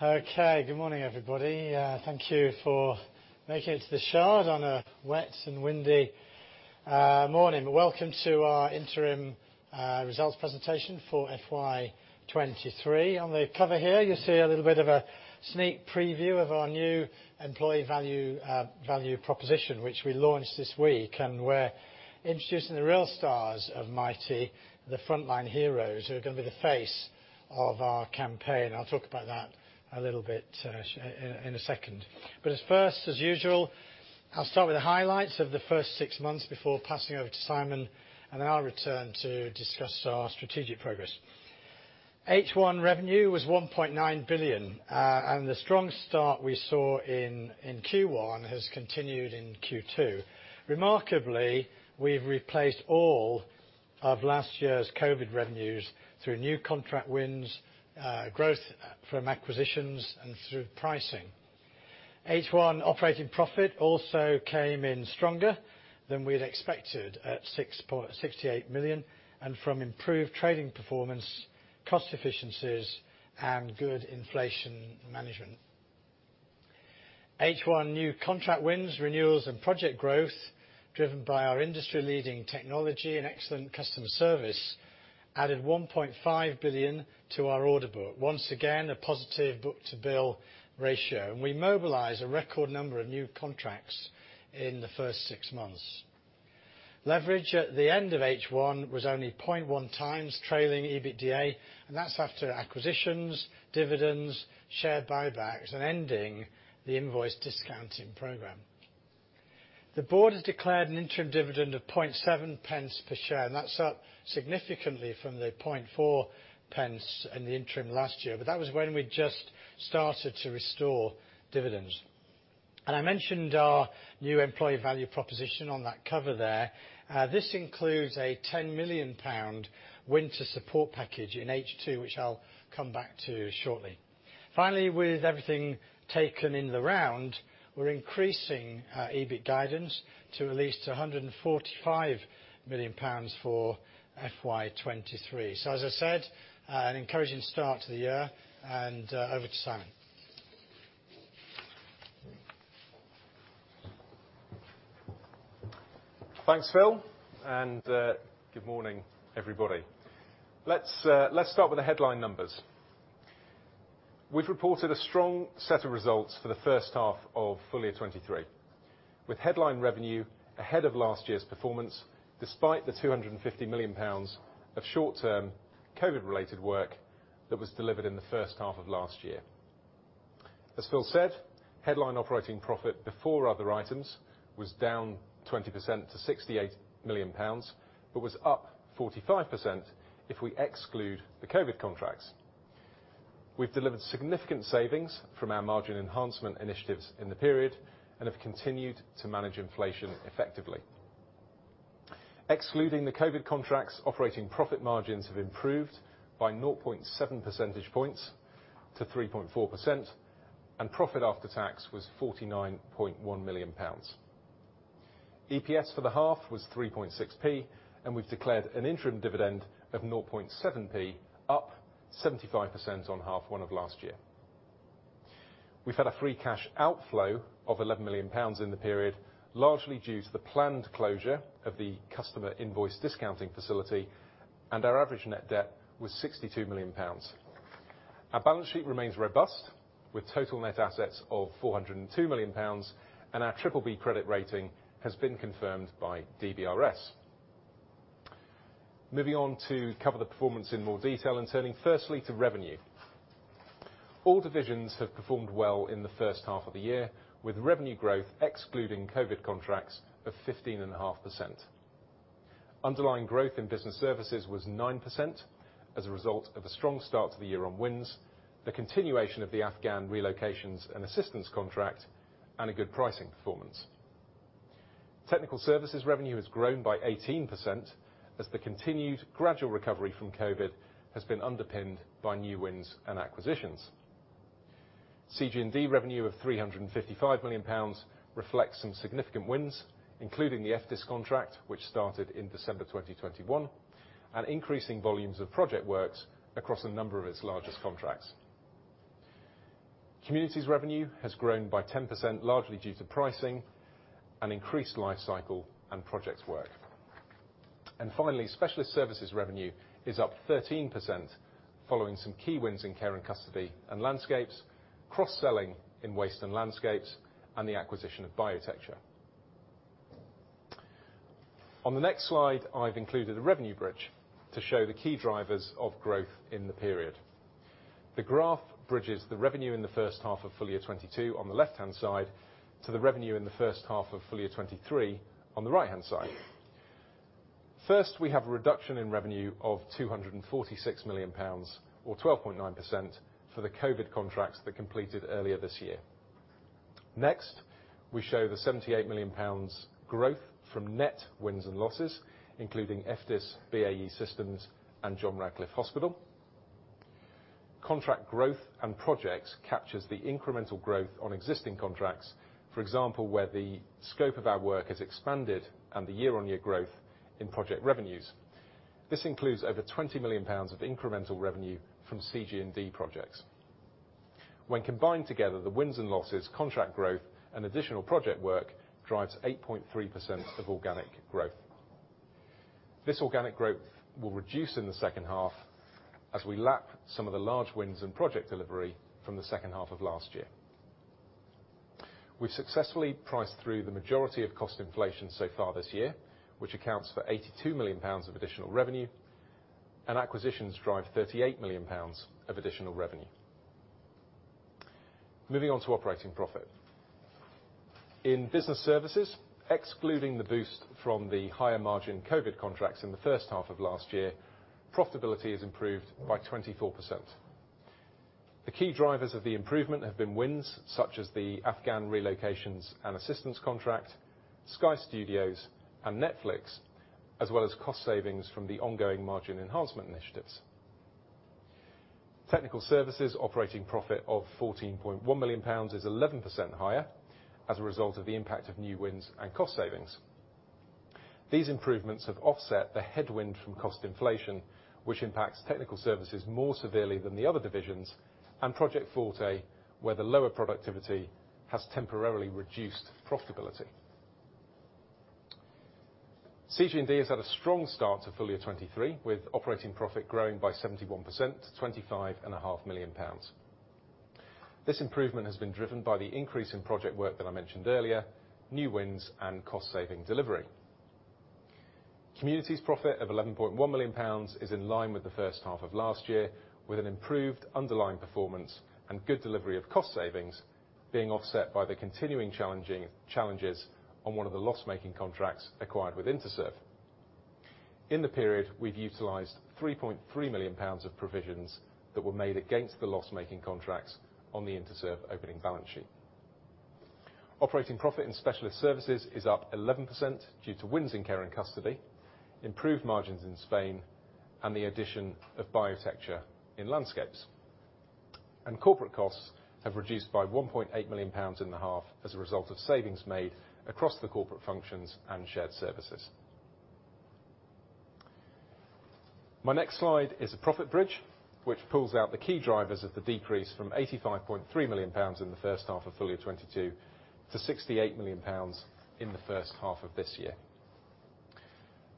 Good morning, everybody. Thank you for making it to the show on a wet and windy morning. Welcome to our Interim Results Presentation for FY 2023. On the cover here, you'll see a little bit of a sneak preview of our new employee value proposition, which we launched this week. We're introducing the real stars of Mitie, the frontline heroes, who are gonna be the face of our campaign. I'll talk about that a little bit in a second. As first, as usual, I'll start with the highlights of the first six months before passing over to Simon, and then I'll return to discuss our strategic progress. H1 revenue was 1.9 billion, and the strong start we saw in Q1 has continued in Q2. Remarkably, we've replaced all of last year's COVID revenues through new contract wins, growth from acquisitions, and through pricing. H1 operating profit also came in stronger than we had expected at 68 million, and from improved trading performance, cost efficiencies, and good inflation management. H1 new contract wins, renewals, and project growth driven by our industry-leading technology and excellent customer service added 1.5 billion to our order book. Once again, a positive book-to-bill ratio. We mobilized a record number of new contracts in the first six months. Leverage at the end of H1 was only 0.1x trailing EBITDA, and that's after acquisitions, dividends, share buybacks, and ending the invoice discounting program. The board has declared an interim dividend of 0.007 per share, and that's up significantly from the 0.004 in the interim last year, but that was when we just started to restore dividends. I mentioned our new employee value proposition on that cover there. This includes a 10 million pound winter support package in H2, which I'll come back to shortly. Finally, with everything taken in the round, we're increasing our EBIT guidance to at least 145 million pounds for FY 2023. As I said, an encouraging start to the year, and over to Simon. Thanks, Phil, and good morning, everybody. Let's start with the headline numbers. We've reported a strong set of results for the first half of full year 2023, with headline revenue ahead of last year's performance, despite the 250 million pounds of short-term COVID-related work that was delivered in the first half of last year. As Phil said, headline operating profit before other items was down 20% to 68 million pounds, but was up 45% if we exclude the COVID contracts. We've delivered significant savings from our margin enhancement initiatives in the period and have continued to manage inflation effectively. Excluding the COVID contracts, operating profit margins have improved by 0.7 percentage points to 3.4%, and profit after tax was 49.1 million pounds. EPS for the half was 0.036, and we've declared an interim dividend of 0.007, up 75% on H1 of last year. We've had a free cash outflow of 11 million pounds in the period, largely due to the planned closure of the customer invoice discounting facility. Our average net debt was 62 million pounds. Our balance sheet remains robust with total net assets of 402 million pounds. Our BBB credit rating has been confirmed by DBRS. Moving on to cover the performance in more detail and turning firstly to revenue. All divisions have performed well in the first half of the year, with revenue growth excluding COVID contracts of 15.5%. Underlying growth in Business Services was 9% as a result of a strong start to the year on wins, the continuation of the Afghan Relocations and Assistance contract, and a good pricing performance. Technical Services revenue has grown by 18% as the continued gradual recovery from COVID has been underpinned by new wins and acquisitions. CG&D revenue of 355 million pounds reflects some significant wins, including the FDIS contract, which started in December 2021, and increasing volumes of project works across a number of its largest contracts. Communities revenue has grown by 10%, largely due to pricing and increased life cycle and projects work. Finally, Specialist Services revenue is up 13% following some key wins in care and custody and landscapes, cross-selling in waste and landscapes, and the acquisition of Biotecture. On the next slide, I've included a revenue bridge to show the key drivers of growth in the period. The graph bridges the revenue in the first half of full year 2022 on the left-hand side to the revenue in the first half of full year 2023 on the right-hand side. First, we have a reduction in revenue of 246 million pounds or 12.9% for the COVID contracts that completed earlier this year. Next, we show the 78 million pounds growth from net wins and losses, including FDIS, BAE Systems, and John Radcliffe Hospital. Contract growth and projects captures the incremental growth on existing contracts. For example, where the scope of our work has expanded and the year-on-year growth in project revenues. This includes over 20 million pounds of incremental revenue from CG&D projects. When combined together, the wins and losses, contract growth, and additional project work drives 8.3% of organic growth. This organic growth will reduce in the second half as we lap some of the large wins in project delivery from the second half of last year. We've successfully priced through the majority of cost inflation so far this year, which accounts for 82 million pounds of additional revenue, and acquisitions drive 38 million pounds of additional revenue. Moving on to operating profit. In business services, excluding the boost from the higher margin COVID contracts in the first half of last year, profitability has improved by 24%. The key drivers of the improvement have been wins, such as the Afghan Relocations and Assistance contract, Sky Studios and Netflix, as well as cost savings from the ongoing margin enhancement initiatives. Technical Services operating profit of 14.1 million pounds is 11% higher as a result of the impact of new wins and cost savings. These improvements have offset the headwind from cost inflation, which impacts Technical Services more severely than the other divisions, and Project Forte, where the lower productivity has temporarily reduced profitability. CG&D has had a strong start to full year 2023, with operating profit growing by 71% to 25 and a half million. This improvement has been driven by the increase in project work that I mentioned earlier, new wins, and cost saving delivery. Communities profit of 11.1 million pounds is in line with the first half of last year, with an improved underlying performance and good delivery of cost savings being offset by the continuing challenges on one of the loss-making contracts acquired with Interserve. In the period, we've utilized 3.3 million pounds of provisions that were made against the loss-making contracts on the Interserve opening balance sheet. Operating profit in Specialist Services is up 11% due to wins in Care & Custody, improved margins in Spain, and the addition of Biotecture in Landscapes. Corporate costs have reduced by 1.8 million pounds in the half as a result of savings made across the corporate functions and shared services. My next slide is a profit bridge, which pulls out the key drivers of the decrease from 85.3 million pounds in the first half of full year 2022 to 68 million pounds in the first half of this year.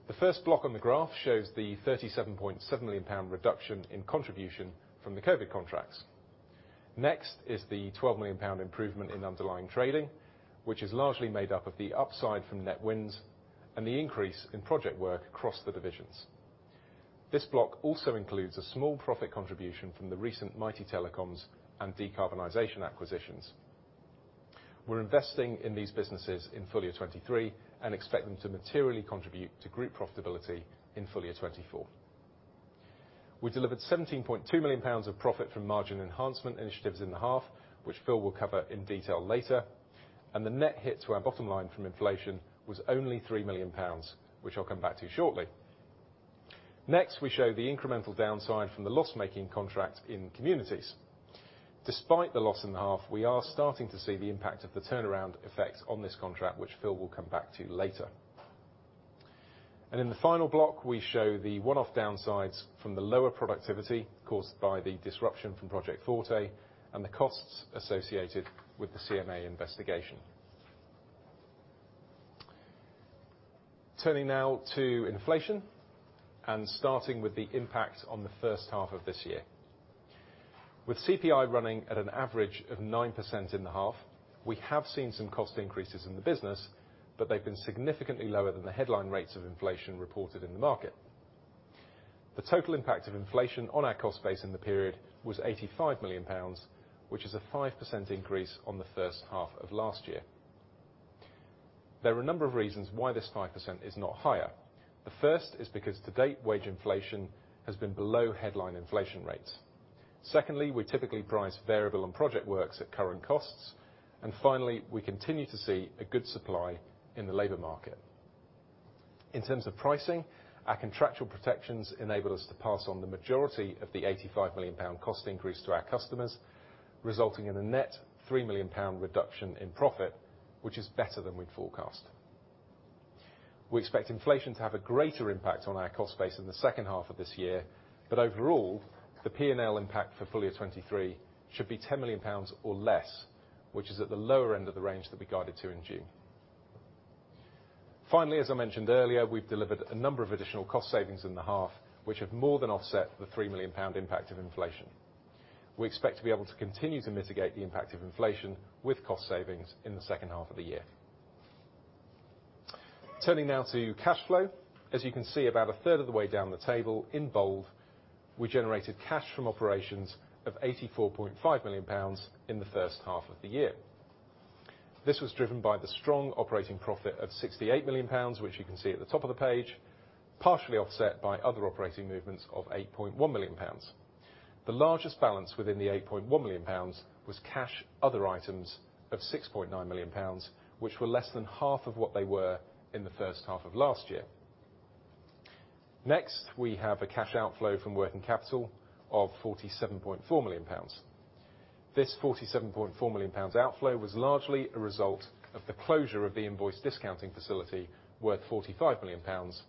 The first block on the graph shows the 37.7 million pound reduction in contribution from the COVID contracts. Next is the 12 million pound improvement in underlying trading, which is largely made up of the upside from net wins and the increase in project work across the divisions. This block also includes a small profit contribution from the recent Mitie Telecoms and decarbonization acquisitions. We're investing in these businesses in full year 2023 and expect them to materially contribute to group profitability in full year 2024. We delivered 17.2 million pounds of profit from margin enhancement initiatives in the half, which Phil will cover in detail later. The net hit to our bottom line from inflation was only 3 million pounds, which I'll come back to shortly. Next, we show the incremental downside from the loss-making contract in Communities. Despite the loss in the half, we are starting to see the impact of the turnaround effect on this contract, which Phil will come back to later. In the final block, we show the one-off downsides from the lower productivity caused by the disruption from Project Forte and the costs associated with the CMA investigation. Turning now to inflation and starting with the impact on the first half of this year. With CPI running at an average of 9% in the half, we have seen some cost increases in the business, but they've been significantly lower than the headline rates of inflation reported in the market. The total impact of inflation on our cost base in the period was 85 million pounds, which is a 5% increase on the first half of last year. There are a number of reasons why this 5% is not higher. The first is because to date, wage inflation has been below headline inflation rates. Secondly, we typically price variable and project works at current costs. Finally, we continue to see a good supply in the labor market. In terms of pricing, our contractual protections enable us to pass on the majority of the 85 million pound cost increase to our customers, resulting in a net 3 million pound reduction in profit, which is better than we'd forecast. We expect inflation to have a greater impact on our cost base in the second half of this year. Overall, the P.&L. impact for full year 2023 should be 10 million pounds or less, which is at the lower end of the range that we guided to in June. Finally, as I mentioned earlier, we've delivered a number of additional cost savings in the half, which have more than offset the 3 million pound impact of inflation. We expect to be able to continue to mitigate the impact of inflation with cost savings in the second half of the year. Turning now to cash flow. As you can see about a third of the way down the table, in bold, we generated cash from operations of 84.5 million pounds in the first half of the year. This was driven by the strong operating profit of 68 million pounds, which you can see at the top of the page, partially offset by other operating movements of 8.1 million pounds. The largest balance within the 8.1 million pounds was cash other items of 6.9 million pounds, which were less than half of what they were in the first half of last year. Next, we have a cash outflow from working capital of 47.4 million pounds. This 47.4 million pounds outflow was largely a result of the closure of the invoice discounting facility worth 45 million pounds,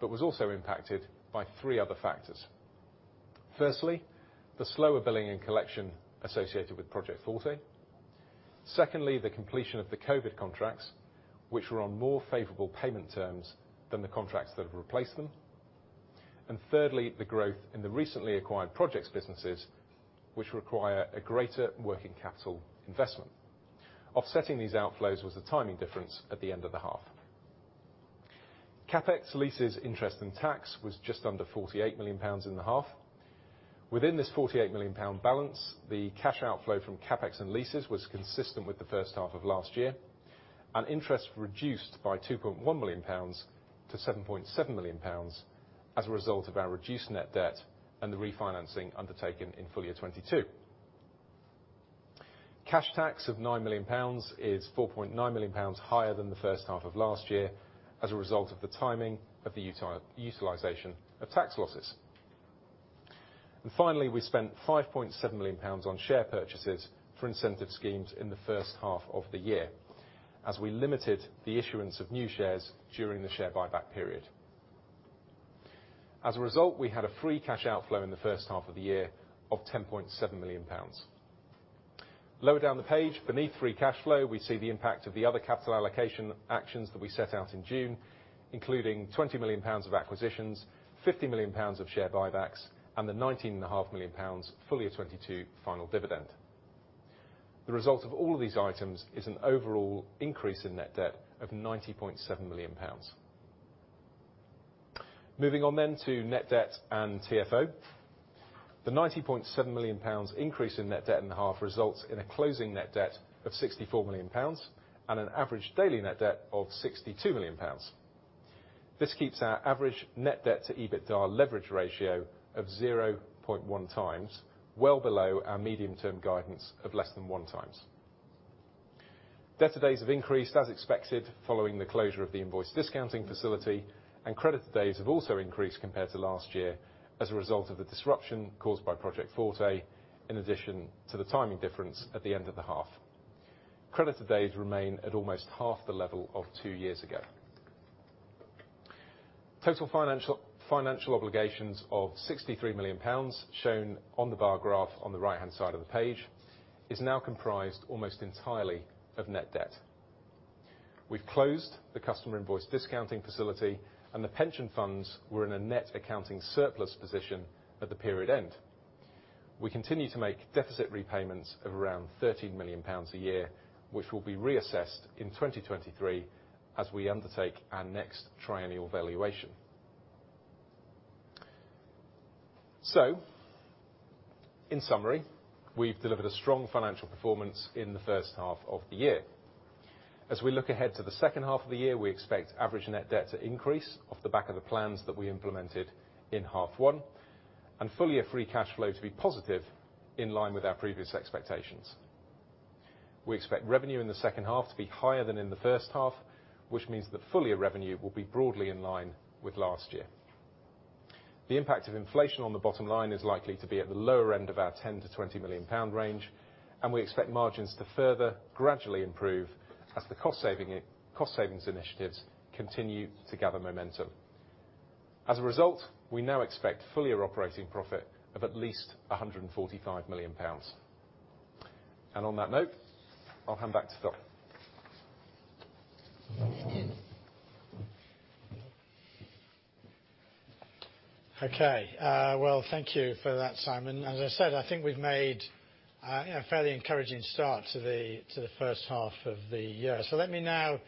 but was also impacted by three other factors. Firstly, the slower billing and collection associated with Project Forte. Secondly, the completion of the COVID contracts, which were on more favorable payment terms than the contracts that have replaced them. Thirdly, the growth in the recently acquired projects businesses, which require a greater working capital investment. Offsetting these outflows was the timing difference at the end of the half. CapEx, leases, interest, and tax was just under 48 million pounds in the half. Within this 48 million pound balance, the cash outflow from CapEx and leases was consistent with the first half of last year, and interest reduced by 2.1 million pounds to 7.7 million pounds as a result of our reduced net debt and the refinancing undertaken in full year 2022. Cash tax of 9 million pounds is 4.9 million pounds higher than the first half of last year as a result of the timing of the utilization of tax losses. Finally, we spent 5.7 million pounds on share purchases for incentive schemes in the first half of the year, as we limited the issuance of new shares during the share buyback period. As a result, we had a free cash outflow in the first half of the year of 10.7 million pounds. Lower down the page, beneath free cash flow, we see the impact of the other capital allocation actions that we set out in June, including 20 million pounds of acquisitions, 50 million pounds of share buybacks, and the nineteen and a half million pounds full year 2022 final dividend. The result of all of these items is an overall increase in net debt of 90.7 million pounds. Moving on then to net debt and TFO. The 90.7 million pounds increase in net debt in half results in a closing net debt of 64 million pounds and an average daily net debt of 62 million pounds. This keeps our average net debt to EBITDA leverage ratio of 0.1x, well below our medium-term guidance of less than 1x. Debtor days have increased as expected following the closure of the invoice discounting facility, and creditor days have also increased compared to last year as a result of the disruption caused by Project Forte, in addition to the timing difference at the end of the half. Creditor days remain at almost half the level of two years ago. Total Financial Obligations of 63 million pounds, shown on the bar graph on the right-hand side of the page, is now comprised almost entirely of net debt. We've closed the customer invoice discounting facility, and the pension funds were in a net accounting surplus position at the period end. We continue to make deficit repayments of around 13 million pounds a year, which will be reassessed in 2023 as we undertake our next triennial valuation. In summary, we've delivered a strong financial performance in the first half of the year. As we look ahead to the second half of the year, we expect average net debt to increase off the back of the plans that we implemented in half one, and full-year free cash flow to be positive in line with our previous expectations. We expect revenue in the second half to be higher than in the first half, which means that full-year revenue will be broadly in line with last year. The impact of inflation on the bottom line is likely to be at the lower end of our 10 million-20 million pound range, and we expect margins to further gradually improve as the cost savings initiatives continue to gather momentum. As a result, we now expect full-year operating profit of at least 145 million pounds. On that note, I'll hand back to Phil. Okay. Uh, well, thank you for that, Simon. As I said, I think we've made a fairly encouraging start to the, to the first half of the year. So let me now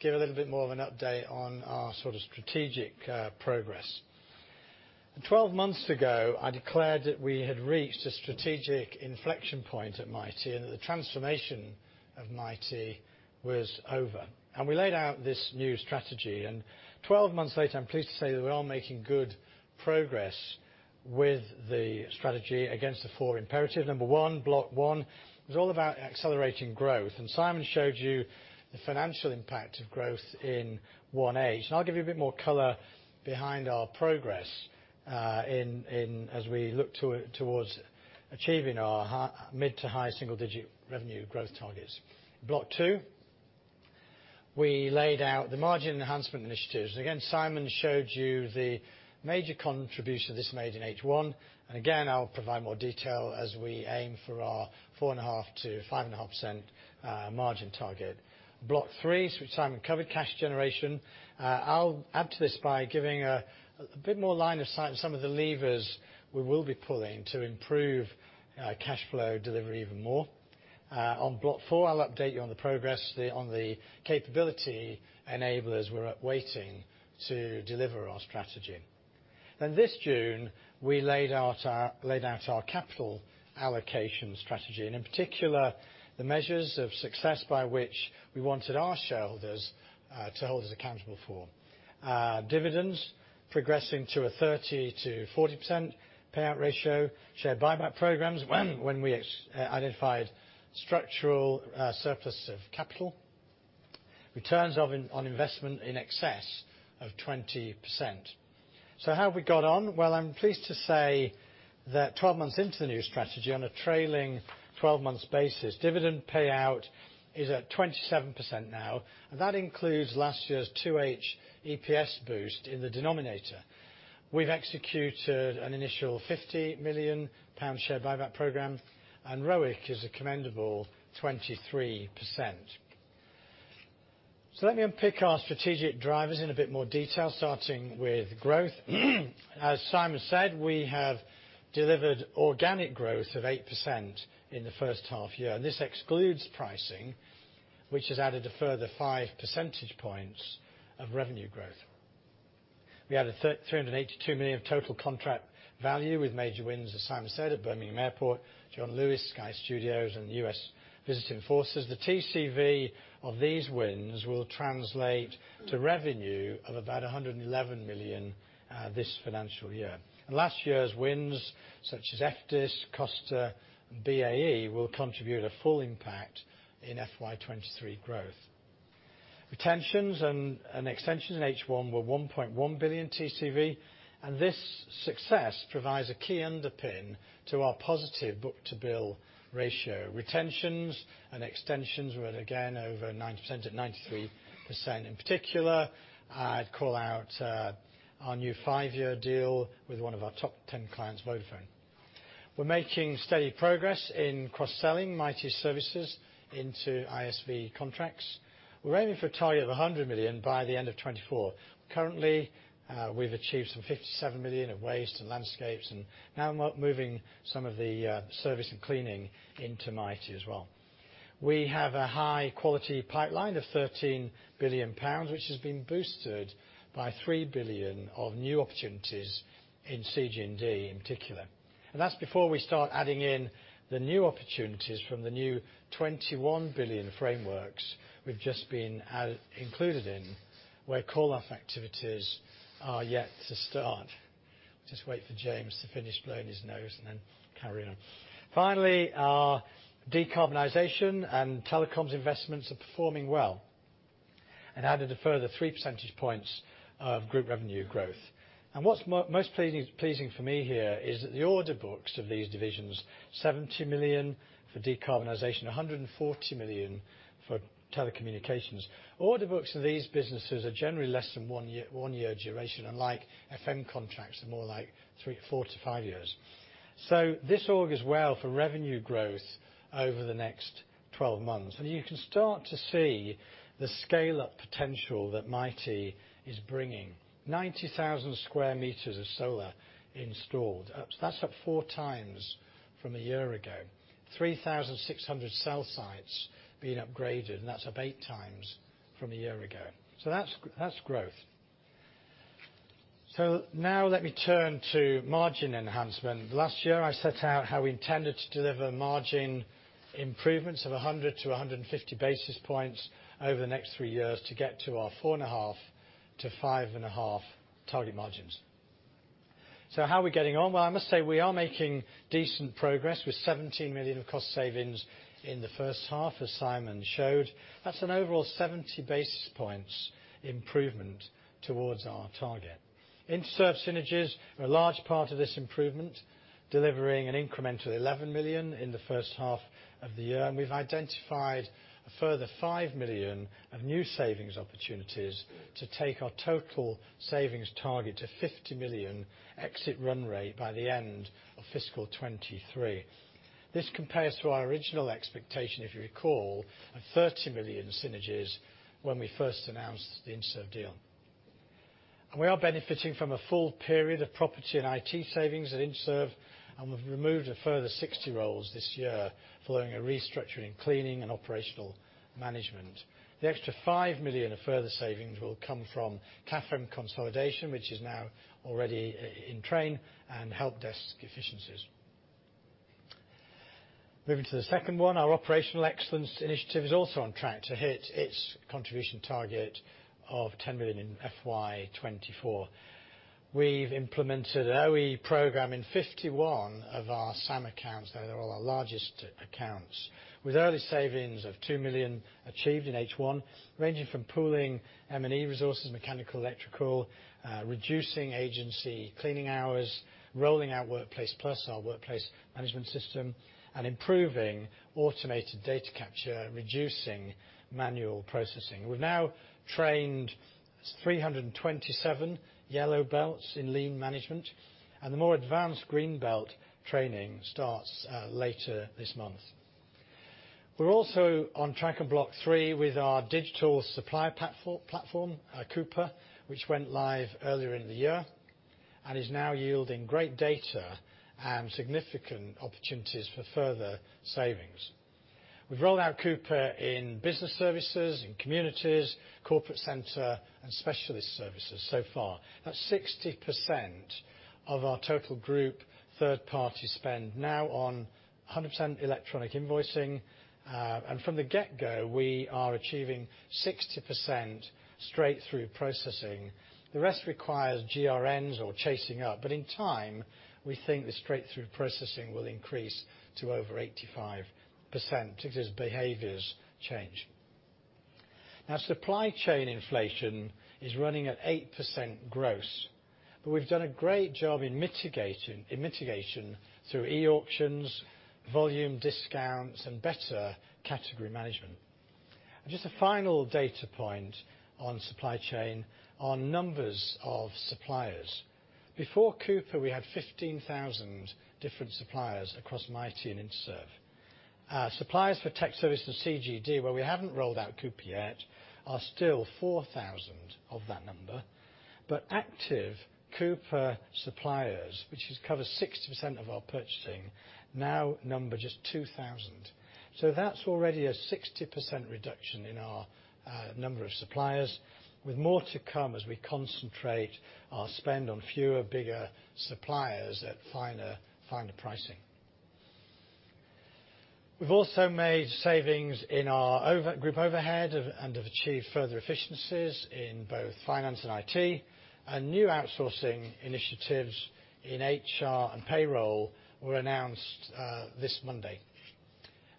give a little bit more of an update on our sort of strategic, uh, progress. 12 months ago, I declared that we had reached a strategic inflection point at Mitie, and that the transformation of Mitie was over. And we laid out this new strategy. And 12 months later, I'm pleased to say that we are making good progress with the strategy against the four imperatives. Number one, block one was all about accelerating growth. And Simon showed you the financial impact of growth in H1. And I'll give you a bit more color behind our progress, uh, in-- as we look to-towards achieving our hi- mid to high single digit revenue growth targets. Block two, we laid out the margin enhancement initiatives. Again, Simon showed you the major contribution this made in H1. Again, I'll provide more detail as we aim for our 4.5%-5.5% margin target. Block three, which Simon covered, cash generation. I'll add to this by giving a bit more line of sight on some of the levers we will be pulling to improve cash flow delivery even more. On block four, I'll update you on the progress on the capability enablers we're awaiting to deliver our strategy. This June, we laid out our capital allocation strategy, and in particular, the measures of success by which we wanted our shareholders to hold us accountable for. Uh, dividends progressing to a 30% to 40% percent payout ratio, share buyback programs when we, uh, identified structural, uh, surplus of capital Returns of in- on investment in excess of twenty percent. So how have we got on? Well, I'm pleased to say that twelve months into the new strategy, on a trailing 12 months basis, dividend payout is at twenty-seven percent now, and that includes last year's H2 EPS boost in the denominator. We've executed an initial fifty million pound share buyback program, and ROIC is a commendable 23%. So let me unpick our strategic drivers in a bit more detail, starting with growth. As Simon said, we have delivered organic growth of 8% in the first half year, and this excludes pricing, which has added a further 5 percentage points of revenue growth. We added 382 million of total contract value with major wins, as Simon said, at Birmingham Airport, John Lewis, Sky Studios, and U.S. Visiting Forces. The TCV of these wins will translate to revenue of about 111 million this financial year. Last year's wins, such as FDIS, Costa, and BAE, will contribute a full impact in FY 2023 growth. Retentions and extensions in H1 were 1.1 billion TCV, and this success provides a key underpin to our positive book-to-bill ratio. Retentions and extensions were again over 90% at 93%. In particular, I'd call out our new five-year deal with one of our top 10 clients, Vodafone. We're making steady progress in cross-selling Mitie services into ISV contracts. We're aiming for a target of 100 million by the end of 2024. Currently, we've achieved some 57 million in waste and landscapes, and now we're moving some of the service and cleaning into Mitie as well. We have a high-quality pipeline of 13 billion pounds, which has been boosted by 3 billion of new opportunities in CG&D in particular. That's before we start adding in the new opportunities from the new 21 billion frameworks we've just been included in, where call-off activities are yet to start. Just wait for James to finish blowing his nose and then carry on. Finally, our decarbonization and telecoms investments are performing well and added a further 3 percentage points of group revenue growth. What's most pleasing for me here is that the order books of these divisions, 70 million for decarbonization, 140 million for telecommunications. Order books in these businesses are generally less than one year duration. Unlike FM contracts, they're more like three, four to five years. This augurs well for revenue growth over the next 12 months. You can start to see the scale-up potential that Mitie is bringing. 90,000 square meters of solar installed. That's up 4x from a year ago. 3,600 cell sites being upgraded, and that's up 8x from a year ago. That's growth. Now let me turn to margin enhancement. Last year, I set out how we intended to deliver margin improvements of 100-150 basis points over the next three years to get to our 4.5%-5.5% target margins. How are we getting on? Well, I must say we are making decent progress with 17 million of cost savings in the first half, as Simon showed. That's an overall 70 basis points improvement towards our target. Interserve synergies are a large part of this improvement, delivering an incremental 11 million in the first half of the year. We've identified a further 5 million of new savings opportunities to take our total savings target to 50 million exit run rate by the end of fiscal 2023. This compares to our original expectation, if you recall, of 30 million synergies when we first announced the Interserve deal. We are benefiting from a full period of property and IT savings at Interserve, and we've removed a further 60 roles this year following a restructuring in cleaning and operational management. The extra 5 million of further savings will come from CAFM consolidation, which is now already in train, and helpdesk efficiencies. Moving to the second one, our operational excellence initiative is also on track to hit its contribution target of 10 million in FY 2024. We've implemented an OE program in 51 of our SAM accounts, they're all our largest accounts, with early savings of 2 million achieved in H1, ranging from pooling M&E resources, mechanical, electrical, reducing agency cleaning hours, rolling out Workplace Plus, our workplace management system, and improving automated data capture, reducing manual processing. We've now trained 327 Yellow Belts in lean management, and the more advanced Green Belt training starts later this month. We're also on track in Block three with our digital supply platform, Coupa, which went live earlier in the year and is now yielding great data and significant opportunities for further savings. We've rolled out Coupa in Business Services, in Communities, Corporate Center and Specialist Services so far. That's 60% of our total group third-party spend now on 100% electronic invoicing. From the get-go, we are achieving 60% straight-through processing. The rest requires GRNs or chasing up, but in time, we think the straight-through processing will increase to over 85% as behaviors change. Now supply chain inflation is running at 8% gross. We've done a great job in mitigation through e-auctions, volume discounts, and better category management. Just a final data point on supply chain, on numbers of suppliers. Before Coupa, we had 15,000 different suppliers across Mitie and Interserve. Our suppliers for tech service and CG&D, where we haven't rolled out Coupa yet, are still 4,000 of that number. Active Coupa suppliers, which has covered 60% of our purchasing, now number just 2,000. That's already a 60% reduction in our number of suppliers with more to come as we concentrate our spend on fewer, bigger suppliers at finer pricing. We've also made savings in our group overhead and have achieved further efficiencies in both finance and I.T. New outsourcing initiatives in HR and payroll were announced this Monday.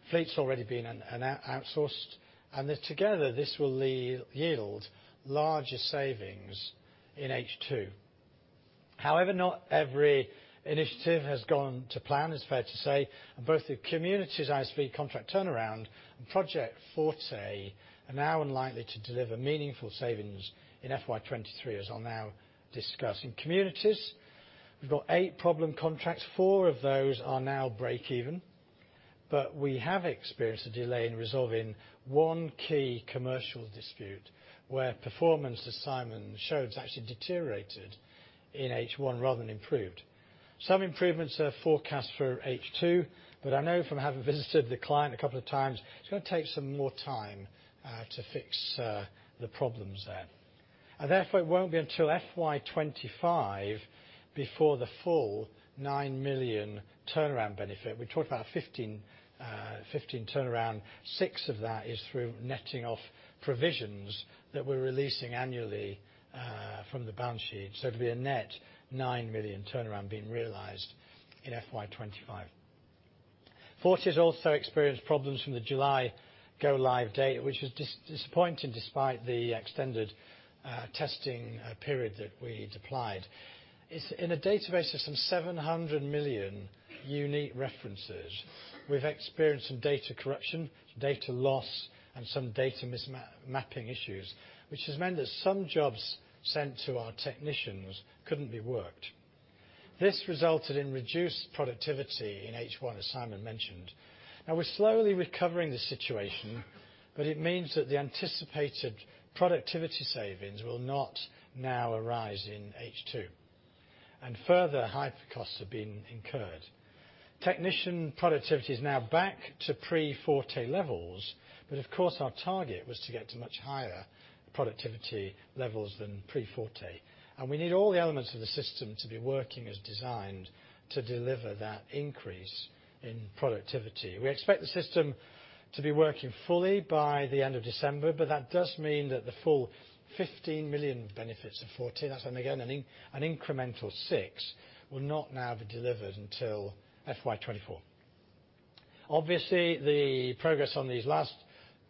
Fleet's already been outsourced, and together this will yield larger savings in H2. However, not every initiative has gone to plan, it's fair to say. Both the Communities ISV contract turnaround and Project Forte are now unlikely to deliver meaningful savings in FY 2023, as I'll now discuss. In Communities, we've got eight problem contracts. Four of those are now break even. We have experienced a delay in resolving one key commercial dispute where performance, as Simon showed, has actually deteriorated in H1 rather than improved. Some improvements are forecast for H2, but I know from having visited the client a couple of times, it's gonna take some more time to fix the problems there. Therefore, it won't be until FY 2025 before the full 9 million turnaround benefit. We talked about 15 turnaround. 6 of that is through netting off provisions that we're releasing annually from the balance sheet. It'll be a net 9 million turnaround being realized in FY 2025. Forte has also experienced problems from the July go-live date, which was disappointing despite the extended testing period that we'd applied. In a database of some 700 million unique references, we've experienced some data corruption, data loss, and some data mapping issues, which has meant that some jobs sent to our technicians couldn't be worked. This resulted in reduced productivity in H1, as Simon mentioned. Now we're slowly recovering the situation, but it means that the anticipated productivity savings will not now arise in H2. Further high costs have been incurred. Technician productivity is now back to pre-Forte levels, but of course, our target was to get to much higher productivity levels than pre-Forte. We need all the elements of the system to be working as designed to deliver that increase in productivity. We expect the system to be working fully by the end of December, but that does mean that the full 15 million benefits of Forte, that's again an incremental 6, will not now be delivered until FY 2024. Obviously, the progress on these last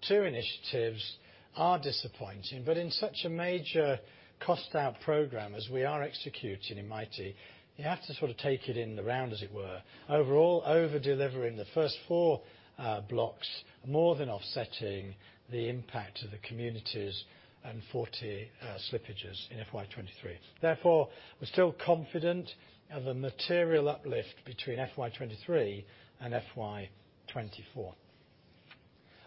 two initiatives are disappointing, but in such a major cost-out program as we are executing in Mitie, you have to sort of take it in the round as it were. Overall, over-delivering the first four blocks are more than offsetting the impact of the Communities and Forte slippages in FY 2023. Therefore, we're still confident of a material uplift between FY 2023 and FY 2024.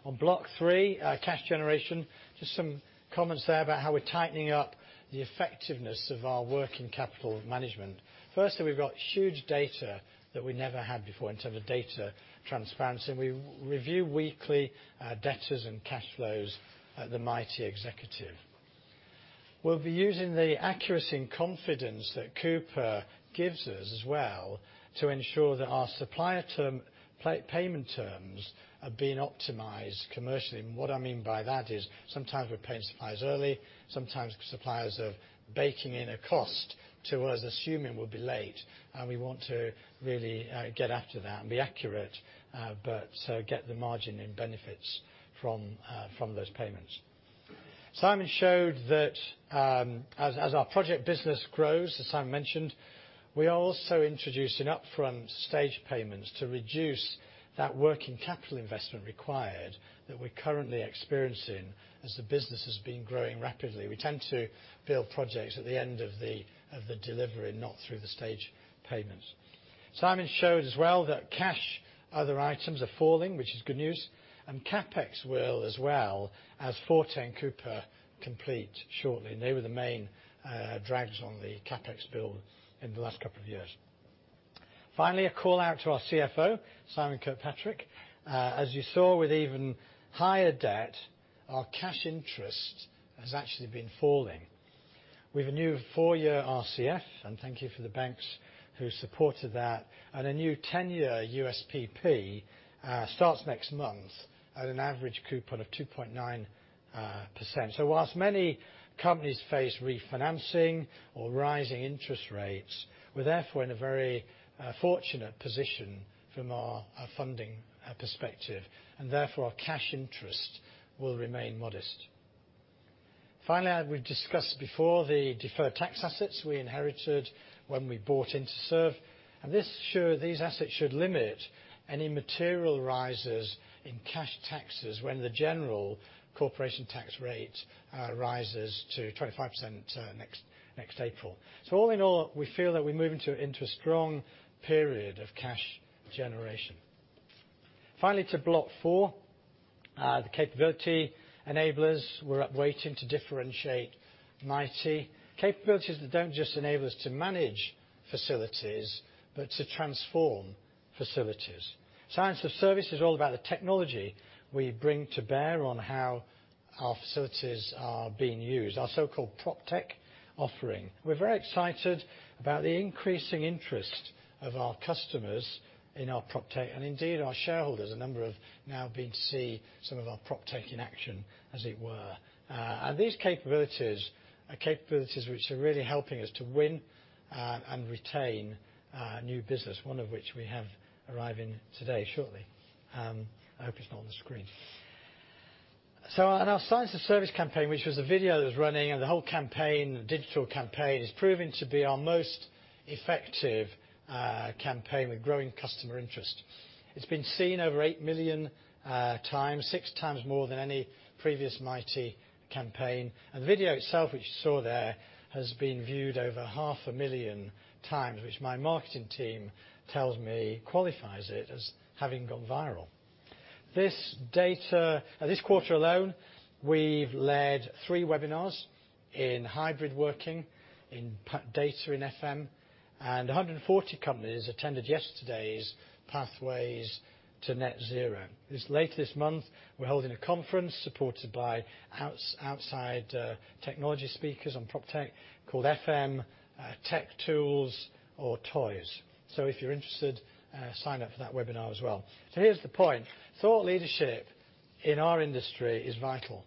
On Block three, cash generation, just some comments there about how we're tightening up the effectiveness of our working capital management. Firstly, we've got huge data that we never had before in terms of data transparency, and we review weekly debtors and cash flows at the Mitie executive. We'll be using the accuracy and confidence that Coupa gives us as well to ensure that our supplier payment terms are being optimized commercially. What I mean by that is sometimes we're paying suppliers early, sometimes suppliers are baking in a cost to us, assuming we'll be late. We want to really get after that and be accurate, but so get the margin and benefits from those payments. Simon showed that, as our project business grows, as Simon mentioned, we are also introducing upfront stage payments to reduce that working capital investment required that we're currently experiencing as the business has been growing rapidly. We tend to bill projects at the end of the delivery, not through the stage payments. Simon showed as well that cash, other items are falling, which is good news, and CapEx will as well, as Forte and Coupa complete shortly. They were the main drags on the CapEx bill in the last couple of years. Finally, a call out to our CFO, Simon Kirkpatrick. As you saw with even higher debt, our cash interest has actually been falling. With a new four-year RCF, and thank you for the banks who supported that, and a new 10-year USPP starts next month at an average coupon of 2.9%. Whilst many companies face refinancing or rising interest rates, we're therefore in a very fortunate position from our funding perspective, and therefore, our cash interest will remain modest. Finally, we've discussed before the deferred tax assets we inherited when we bought Interserve. These assets should limit any material rises in cash taxes when the general corporation tax rate rises to 25% next April. All in all, we feel that we're moving into a strong period of cash generation. Finally to Block 4, the capability enablers. We're upweighting to differentiate Mitie. Capabilities that don't just enable us to manage facilities, but to transform facilities. Science of Service is all about the technology we bring to bear on how our facilities are being used, our so-called PropTech offering. We are excited about the increasing interest of our customers in our PropTech, and indeed our shareholders, a number of now have been to see some of our PropTech in action, as they were. And these capabilities are capabilities which are really helping us to win and retain new business, one of which we have arriving today, shortly. Up on the screen. So our Science is Service campaign, which is a video that's running and the whole campaign, the digital campaign, has proven to be our most effective campaign with growing customer interest. It's been seen over 8 million times, 6x more than any previous mighty campaign. And the video itself, which you saw there, has been viewed over half a million times, which my marketing team tells me qualifies it as having gone viral. This quarter alone, we've led three webinars in hybrid working, in data in FM, and 140 companies attended yesterday's Pathways to Net Zero. Later this month, we're holding a conference supported by outside technology speakers on PropTech called FM Tech Tools or Toys. If you're interested, sign up for that webinar as well. Here's the point, thought leadership in our industry is vital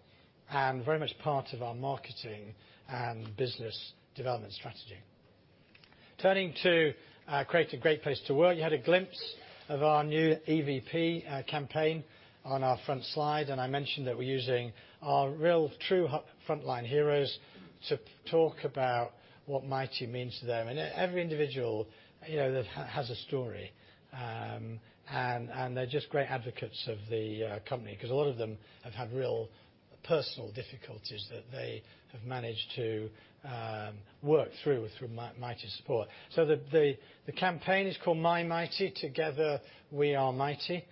and very much part of our marketing and business development strategy. Turning to create a great place to work. You had a glimpse of our new EVP campaign on our front slide, and I mentioned that we're using our real true frontline heroes to talk about what Mitie means to them. Every individual, you know, that has a story. They're just great advocates of the company, 'cause a lot of them have had real personal difficulties that they have managed to work through through Mitie's support. The campaign is called MyMitie, Together We Are Mitie.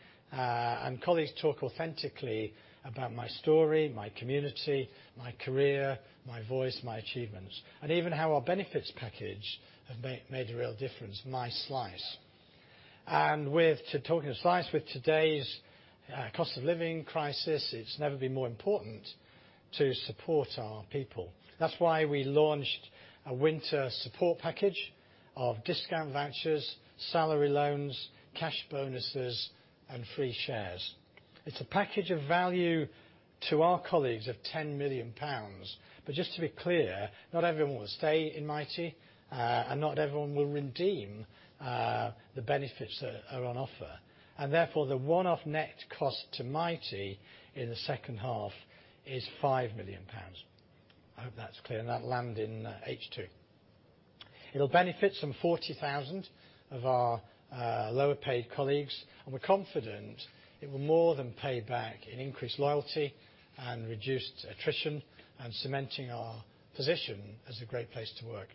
Colleagues talk authentically about my story, my community, my career, my voice, my achievements, and even how our benefits package have made a real difference, my slice. Talking of slice, with today's cost of living crisis, it's never been more important to support our people. That's why we launched a winter support package of discount vouchers, salary loans, cash bonuses, and free shares. It's a package of value to our colleagues of 10 million pounds. Just to be clear, not everyone will stay in Mitie, and not everyone will redeem the benefits that are on offer. Therefore, the one-off net cost to Mitie in the second half is 5 million pounds. I hope that's clear, and that landed in H2. It'll benefit some 40,000 of our lower paid colleagues, and we're confident it will more than pay back in increased loyalty and reduced attrition, and cementing our position as a great place to work.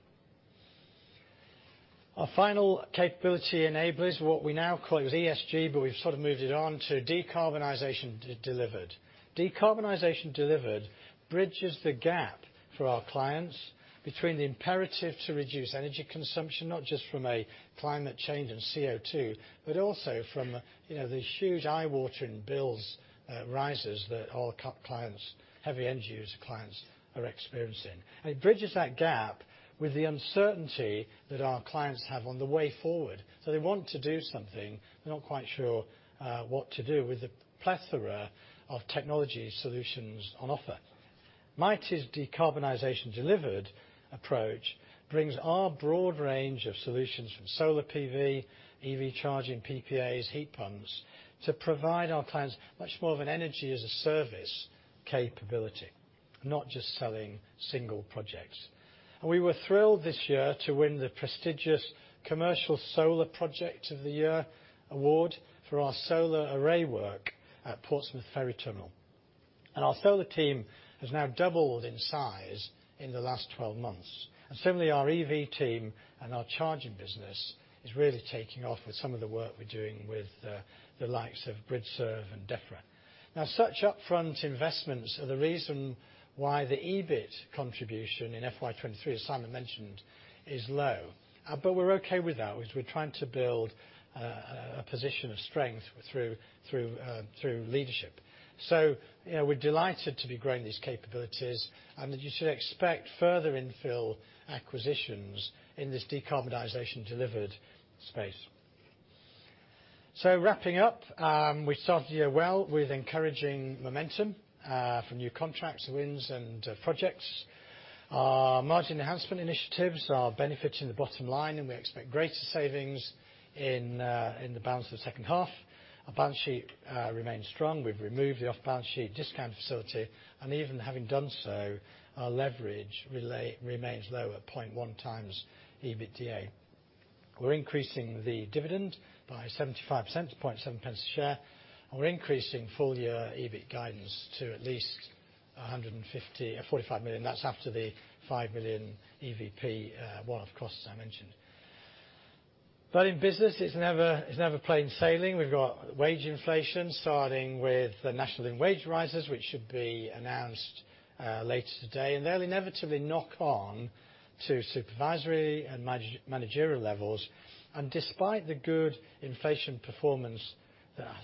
Our final capability enablers, what we now call, it was ESG, but we've sort of moved it on to Decarbonisation Delivered. Decarbonisation Delivered bridges the gap for our clients between the imperative to reduce energy consumption, not just from a climate change and CO₂, but also from, you know, the huge eye-watering bills rises that our clients, heavy end user clients are experiencing. It bridges that gap with the uncertainty that our clients have on the way forward. They want to do something, they're not quite sure what to do with the plethora of technology solutions on offer. Mitie's Decarbonisation Delivered approach brings our broad range of solutions from solar PV, EV charging, PPAs, heat pumps, to provide our clients much more of an energy as a service capability, not just selling single projects. We were thrilled this year to win the prestigious Commercial Solar Project of the Year award for our solar array work at Portsmouth Ferry Terminal. Our solar team has now doubled in size in the last 12 months. Similarly, our EV team and our charging business is really taking off with some of the work we're doing with the likes of GRIDSERVE and DEFRA. Now, such upfront investments are the reason why the EBIT contribution in FY 2023, as Simon mentioned, is low. We're okay with that because we're trying to build a position of strength through leadership. You know, we're delighted to be growing these capabilities and that you should expect further infill acquisitions in this Decarbonization Delivered space. Wrapping up, we started the year well with encouraging momentum from new contracts, wins, and projects. Our margin enhancement initiatives are benefiting the bottom line, and we expect greater savings in the balance of the second half. Our balance sheet remains strong. We've removed the off-balance sheet discount facility, and even having done so, our leverage remains low at 0.1x EBITDA. We're increasing the dividend by 75% to 0.007 a share, and we're increasing full year EBIT guidance to at least 145 million. That's after the 5 million EVP one-off costs, as I mentioned. In business it's never plain sailing. We've got wage inflation, starting with the National Living Wage rises, which should be announced later today, and they'll inevitably knock on to supervisory and managerial levels. Despite the good inflation performance that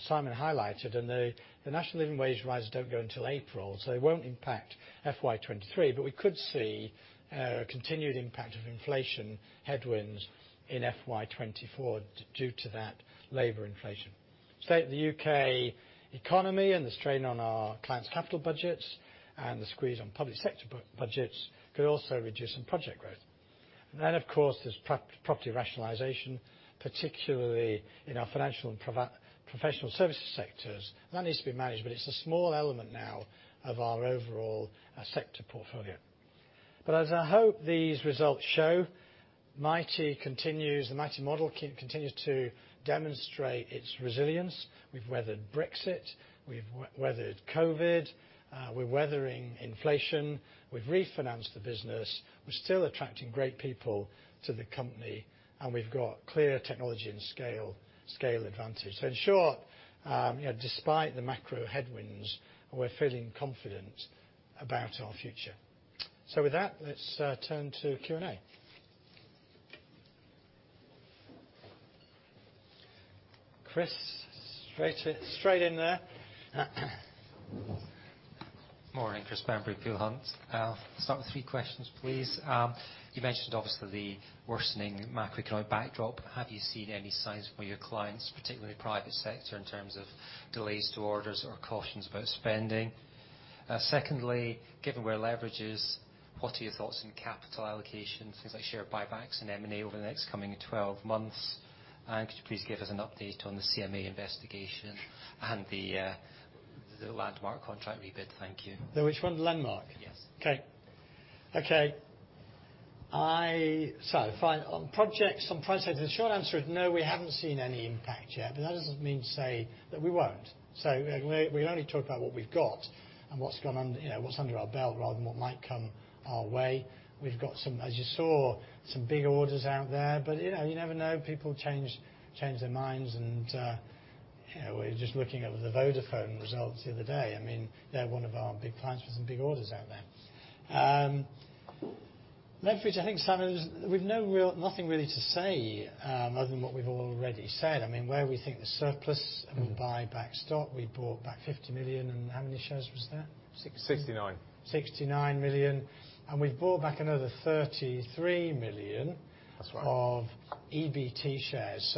Simon highlighted, and the National Living Wage rise don't go until April, so it won't impact FY 2023, but we could see a continuing impact of inflation headwinds in FY 2024 due to that labor inflation. State of the U.K. economy and the strain on our clients' capital budgets and the squeeze on public sector budgets could also reduce some project growth. Of course, there's property rationalization, particularly in our financial and professional services sectors. That needs to be managed, but it's a small element now of our overall sector portfolio. As I hope these results show, the Mitie model continues to demonstrate its resilience. We've weathered Brexit. We've weathered COVID. We're weathering inflation. We've refinanced the business. We're still attracting great people to the company, and we've got clear technology and scale advantage. In short, you know, despite the macro headwinds, we're feeling confident about our future. With that, let's turn to Q&A. Chris, straight in there. Morning. Chris Bamberry, Peel Hunt. I'll start with three questions, please. You mentioned, obviously, the worsening macroeconomic backdrop. Have you seen any signs from your clients, particularly private sector, in terms of delays to orders or cautions about spending? Secondly, given where leverage is, what are your thoughts on capital allocations, things like share buybacks and M&A over the next coming 12 months? Could you please give us an update on the CMA investigation and the Landmark contract rebid? Thank you. The which one? Landmark? Yes. Okay. Fine. On projects, on price, the short answer is no, we haven't seen any impact yet, but that doesn't mean to say that we won't. We only talk about what we've got and what's gone on, you know, what's under our belt rather than what might come our way. We've got some, as you saw, some big orders out there. You know, you never know, people change their minds and, you know, we're just looking at the Vodafone results the other day. I mean, they're one of our big clients with some big orders out there. Leverage, nothing really to say other than what we've already said. Mm-hmm. Buyback stock, we bought back 50 million. How many shares was there? Sixty-nine. 69 million. We've bought back another 33 million. That's right. of EBT shares.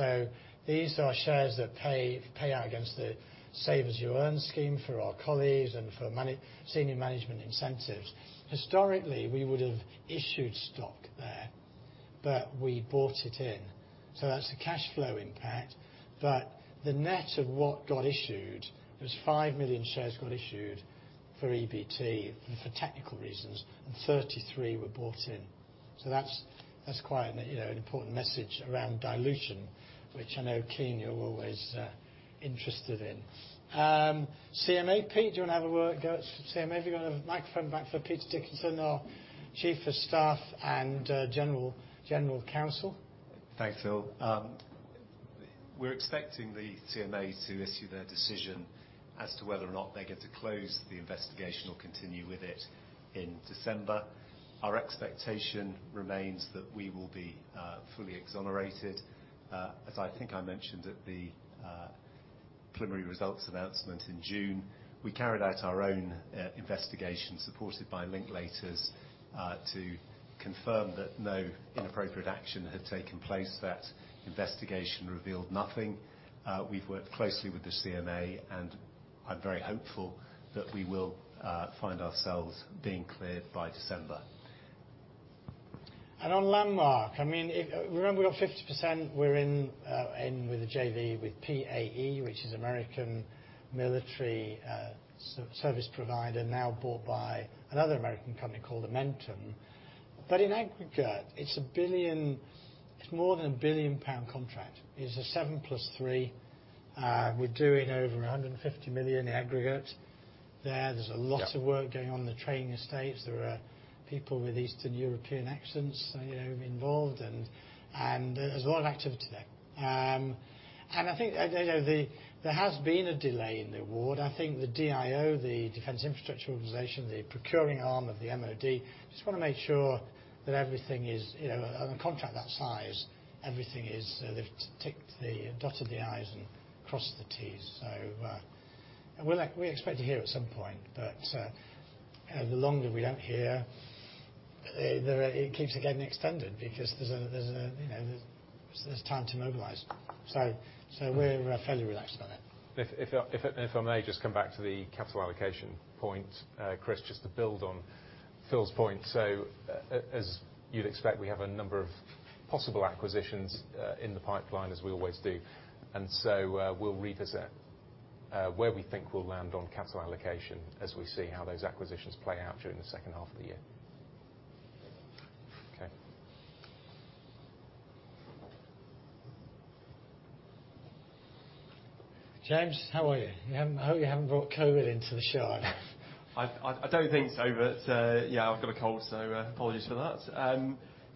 These are shares that pay out against the Save As You Earn scheme for our colleagues and for senior management incentives. Historically, we would have issued stock there, but we bought it in. That's a cash flow impact. The net of what got issued was 5 million shares got issued for EBT and for technical reasons, and 33 were bought in. That's quite an, you know, important message around dilution, which I know, Kean, you're always interested in. CMA. Peter, do you wanna have a go at CMA? If you wanna have a microphone back for Peter Dickinson, our Chief of Staff and General Counsel. Thanks, Phil. We're expecting the CMA to issue their decision as to whether or not they get to close the investigation or continue with it in December. Our expectation remains that we will be fully exonerated. As I think I mentioned at the preliminary results announcement in June, we carried out our own investigation, supported by Linklaters, to confirm that no inappropriate action had taken place. That investigation revealed nothing. We've worked closely with the CMA, and I'm very hopeful that we will find ourselves being cleared by December. On Landmark, I mean, remember we got 50%. We're in with a JV with PAE, which is American military service provider now bought by another American company called Amentum. In aggregate, it's more than a billion-pound contract. It's a seven plus three. We're doing over 150 million in aggregate there. There's a lot. Yeah of work going on in the training estates. There are people with Eastern European accents, you know, involved, and there's a lot of activity there. I think, I don't know, there has been a delay in the award. I think the DIO, the Defence Infrastructure Organisation, the procuring arm of the MOD, just wanna make sure that, you know, on a contract that size, they've dotted the i's and crossed the t's. We expect to hear at some point. The longer we don't hear, it keeps getting extended because, you know, there's time to mobilize. We're fairly relaxed about that. If I may just come back to the capital allocation point, Chris, just to build on Phil's point. As you'd expect, we have a number of possible acquisitions in the pipeline, as we always do. We'll revisit where we think we'll land on capital allocation as we see how those acquisitions play out during the second half of the year. Okay. James, how are you? I hope you haven't brought COVID into the show. I don't think so. Yeah, I've got a cold, so apologies for that.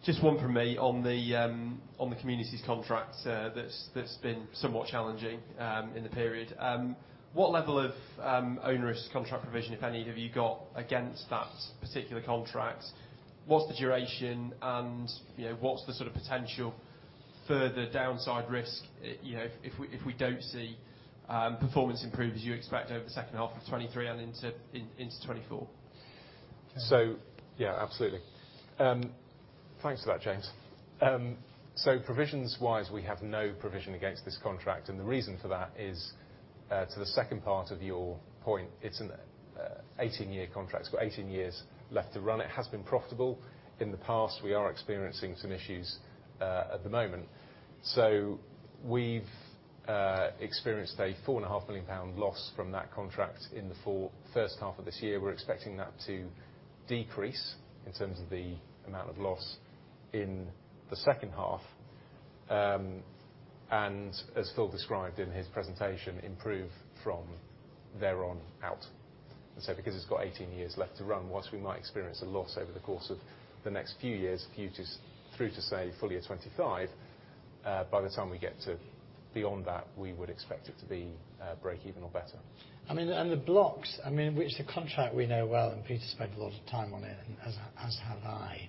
Just one for me on the communities contract. That's been somewhat challenging in the period. What level of onerous contract provision, if any, have you got against that particular contract? What's the duration? You know, what's the sort of potential further downside risk, you know, if we don't see performance improve as you expect over the second half of 2023 and into 2024? Yeah, absolutely. Thanks for that, James. Provisions-wise, we have no provision against this contract, and the reason for that is, to the second part of your point, it's an 18-year contract. It's got 18 years left to run. It has been profitable in the past. We are experiencing some issues at the moment. We've experienced a four and a half million pound loss from that contract in the first half of this year. We're expecting that to decrease in terms of the amount of loss in the second half, and as Phil described in his presentation, improve from thereon out. Because it's got 18 years left to run, whilst we might experience a loss over the course of the next few years, through to, say, full year 2025, by the time we get to beyond that, we would expect it to be break-even or better. I mean, the blocks, I mean, which the contract we know well, and Peter spent a lot of time on it and as have I.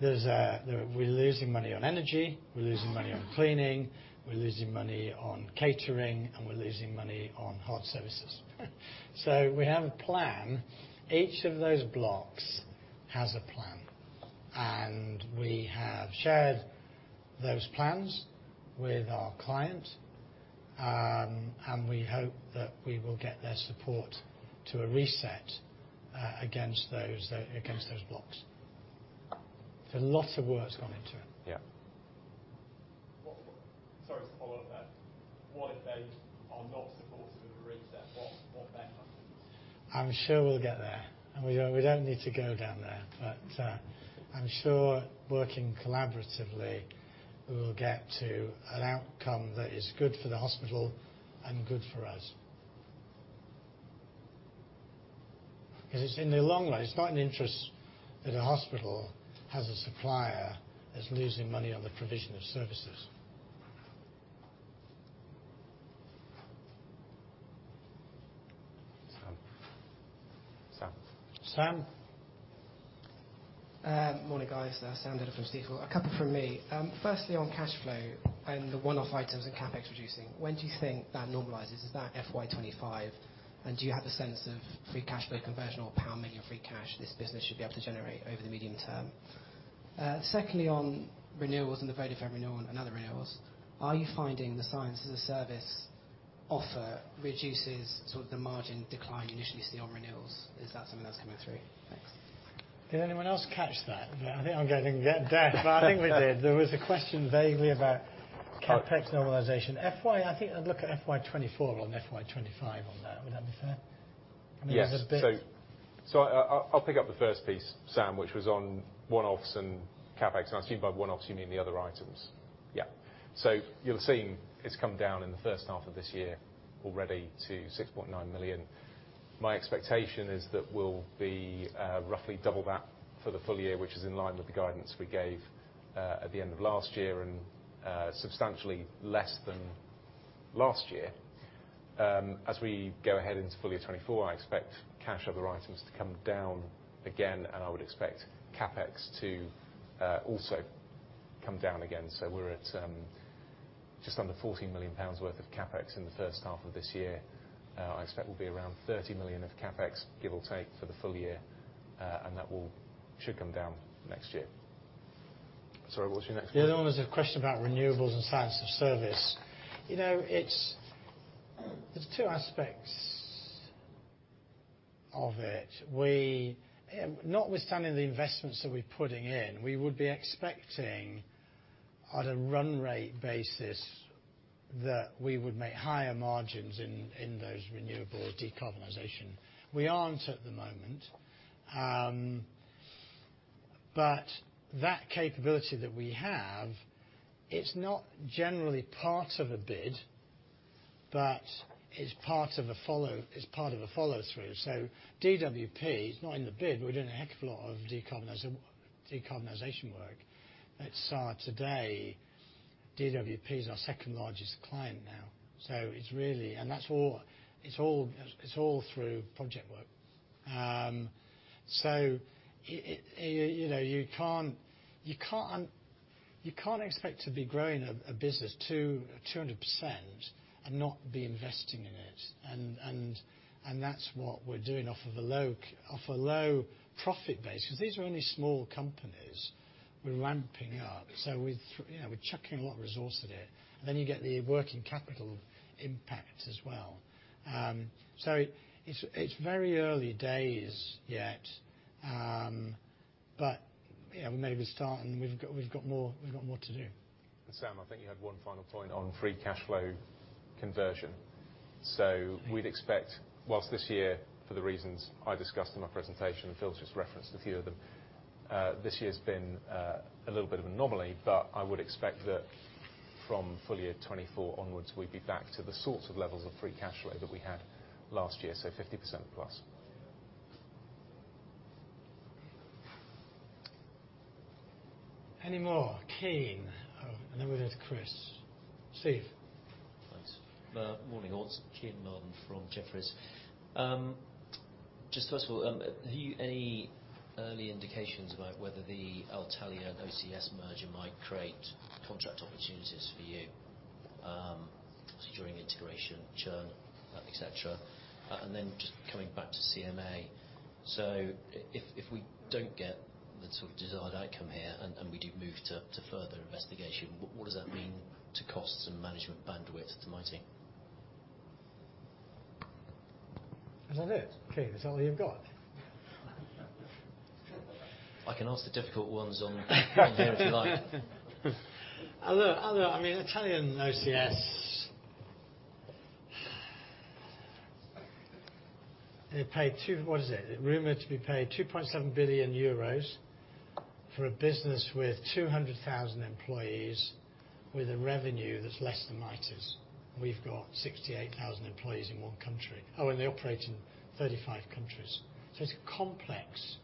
We're losing money on energy, we're losing money on cleaning, we're losing money on catering, and we're losing money on hard services. We have a plan. Each of those blocks has a plan, and we have shared those plans with our client, and we hope that we will get their support to a reset against those blocks. Lots of work's gone into it. Yeah. Sorry to follow up there. What if they are not supportive of a reset? What then happens? I'm sure we'll get there. We don't need to go down there. I'm sure working collaboratively, we will get to an outcome that is good for the hospital and good for us. 'Cause it's in the long run, it's not in the interest if a hospital has a supplier that's losing money on the provision of services. Sam. Sam. Morning, guys. Sam Dindol from Stifel. A couple from me. Firstly, on cash flow and the one-off items and CapEx reducing, when do you think that normalizes? Is that FY 2025? Do you have a sense of free cash flow conversion or pound million free cash this business should be able to generate over the medium term? Secondly, on renewables and the Vodafone renewal and other renewals, are you finding the Science of Service offer reduces sort of the margin decline you initially see on renewals? Is that something that's coming through? Thanks. Did anyone else catch that? I think I'm going deaf. I think we did. There was a question vaguely about CapEx normalization. FY, I think I'd look at FY 2024 or on FY 2025 on that. Would that be fair? Yes. I mean, there's a bit. I'll pick up the first piece, Sam, which was on one-offs and CapEx. I assume by one-offs you mean the other items. Yeah. You'll have seen it's come down in the first half of this year already to 6.9 million. My expectation is that we'll be roughly double that for the full year, which is in line with the guidance we gave at the end of last year and substantially less than last year. As we go ahead into full year 2024, I expect cash other items to come down again, and I would expect CapEx to also come down again. We're at just under 40 million pounds worth of CapEx in the first half of this year. I expect we'll be around 30 million of CapEx, give or take, for the full year. Should come down next year. Sorry, what's your next one? The other one was a question about renewables and Science of Service. You know, there's two aspects of it. Notwithstanding the investments that we're putting in, we would be expecting at a run rate basis that we would make higher margins in those renewable decarbonization. We aren't at the moment. That capability that we have, it's not generally part of a bid, but it's part of a follow-through. DWP, it's not in the bid. We're doing a heck of a lot of decarbonization work at SAR today. DWP is our second largest client now. That's all through project work. You know, you can't expect to be growing a business 200% and not be investing in it. That's what we're doing off a low profit base, 'cause these are only small companies we're ramping up. You know, we're chucking a lot of resource at it. You get the working capital impact as well. It's very early days yet. You know, we've got more to do. Sam, I think you had one final point on free cash flow conversion. We'd expect, whilst this year, for the reasons I discussed in my presentation, and Phil's just referenced a few of them, this year's been a little bit of an anomaly, but I would expect that from full year 2024 onwards, we'd be back to the sorts of levels of free cash flow that we had last year, so 50%+. Any more? Kean. Oh, we'll go to Christopher. Stephen. Thanks. Morning all. It's Kean Marden from Jefferies. Just first of all, have you any early indications about whether the Atalian-OCS merger might create contract opportunities for you, so during integration, churn, et cetera? Just coming back to CMA, if we don't get the sort of desired outcome here and we do move to further investigation, what does that mean to costs and management bandwidth to Mitie? Is that it, Kean? Is that all you've got? I can ask the difficult ones on here if you like. Although, I mean, Atalian-OCS, what is it? Rumored to be paid 2.7 billion euros for a business with 200,000 employees with a revenue that's less than Mitie's. We've got 68,000 employees in one country. They operate in 35 countries. It's complex.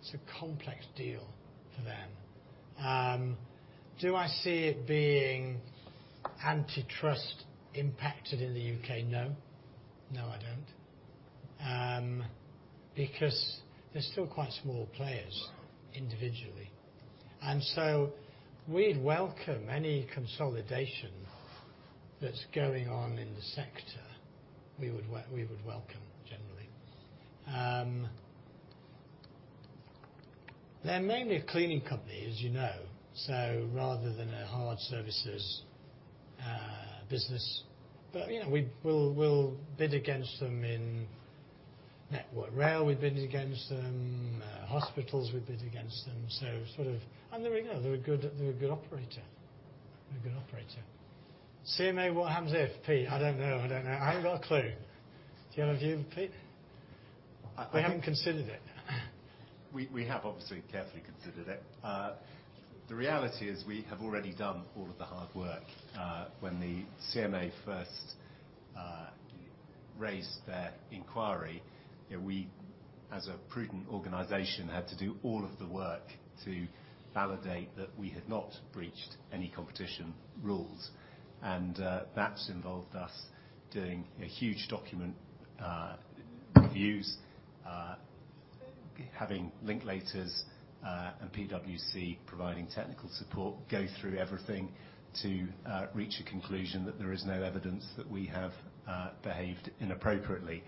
It's a complex deal for them. Do I see it being antitrust impacted in the U.K.? No. No, I don't. Because they're still quite small players individually. We'd welcome any consolidation that's going on in the sector. We would welcome generally. They're mainly a cleaning company, as you know, so rather than a hard services business. You know, we'll bid against them in Network Rail, we bid against them. Hospitals, we bid against them. You know, they're a good operator. CMA, what happens if? Peter, I don't know. I haven't got a clue. Do you have a view, Peter? I think. We haven't considered it. We have obviously carefully considered it. The reality is we have already done all of the hard work. When the CMA first raised their inquiry, you know, we, as a prudent organization, had to do all of the work to validate that we had not breached any competition rules. That's involved us doing a huge document reviews, having Linklaters and PwC providing technical support, go through everything to reach a conclusion that there is no evidence that we have behaved inappropriately.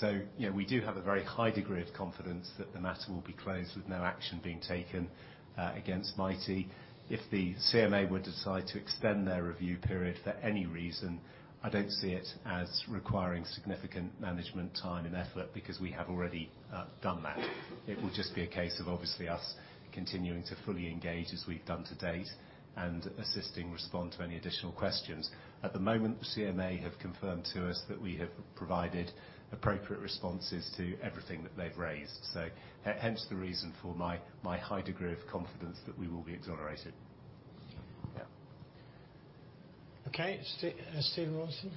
You know, we do have a very high degree of confidence that the matter will be closed with no action being taken against Mitie. If the CMA were to decide to extend their review period for any reason, I don't see it as requiring significant management time and effort because we have already done that. It will just be a case of obviously us continuing to fully engage as we've done to date and assisting respond to any additional questions. At the moment, CMA have confirmed to us that we have provided appropriate responses to everything that they've raised. Hence the reason for my high degree of confidence that we will be exonerated. Yeah. Okay. Stephen Rawlinson.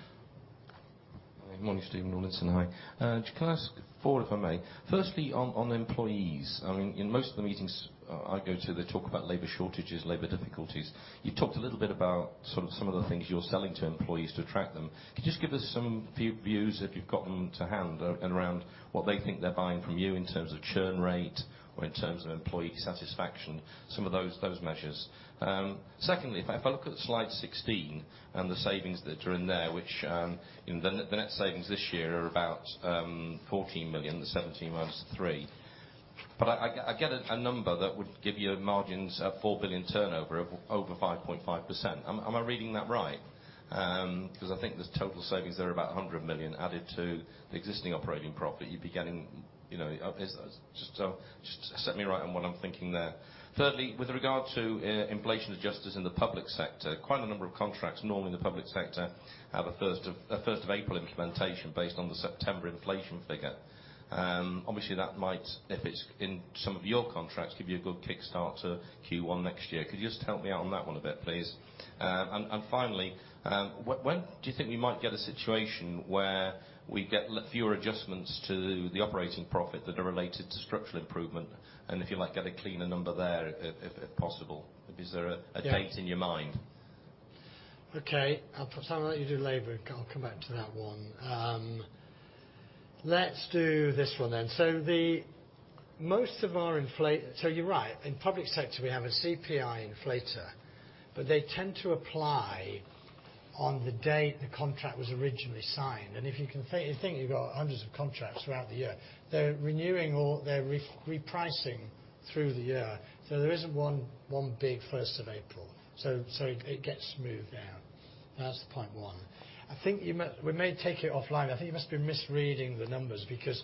Morning. Stephen Rawlinson, hi. Can I ask four, if I may? Firstly, on employees. I mean, in most of the meetings I go to, they talk about labor shortages, labor difficulties. You talked a little bit about sort of some of the things you're selling to employees to attract them. Can you just give us some views, if you've got them to hand, around what they think they're buying from you in terms of churn rate or in terms of employee satisfaction, some of those measures. Secondly, if I look at slide 16 and the savings that are in there, which the net savings this year are about 14 million, the 17 minus the three. I get a number that would give you margins at 4 billion turnover of over 5.5%. Am I reading that right? 'Cause I think the total savings there are about 100 million added to the existing operating profit. You'd be getting, you know, just set me right on what I'm thinking there. Thirdly, with regard to inflation adjusters in the public sector, quite a number of contracts, normally in the public sector, have a first of April implementation based on the September inflation figure. Obviously, that might, if it's in some of your contracts, give you a good kickstart to Q1 next year. Could you just help me out on that one a bit, please? Finally, when do you think we might get a situation where we get fewer adjustments to the operating profit that are related to structural improvement? If you like, get a cleaner number there if possible. Yeah A date in your mind? Okay. I'll put some of that you do labor, I'll come back to that one. Let's do this one then. You're right. In public sector, we have a CPI inflator, but they tend to apply on the date the contract was originally signed. If you think you've got hundreds of contracts throughout the year, they're renewing or they're re-repricing through the year, so there isn't one big first of April. It gets moved down. That's the point one. We may take it offline. I think you must be misreading the numbers because